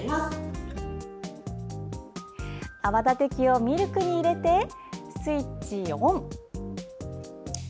泡立て器をミルクに入れてスイッチオン。